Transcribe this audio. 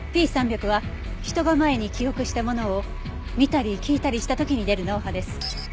Ｐ３００は人が前に記憶したものを見たり聞いたりした時に出る脳波です。